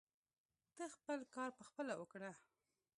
ته خپل کار پخپله وکړه.